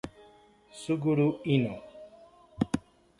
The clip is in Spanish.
Suguru Hino